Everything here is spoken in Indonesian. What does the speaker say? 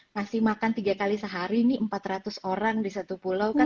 ngasih makan tiga kali sehari nih empat ratus orang di satu pulau kan